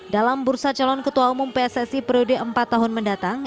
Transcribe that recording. dalam bursa calon ketua umum pssi periode empat tahun mendatang